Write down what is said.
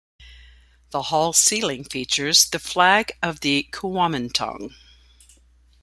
The hall's ceiling features the flag of the Kuomintang.